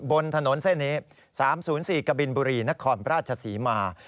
บนถนนเส้นนี้๓๐๔กบินบุรีนครราชศรีมา